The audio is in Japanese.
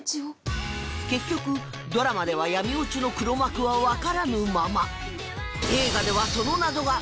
結局ドラマでは闇落ちの黒幕はわからぬまま